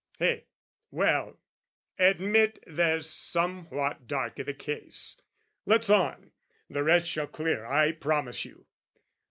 Eh? Well, admit there's somewhat dark i' the case, Let's on the rest shall clear, I promise you.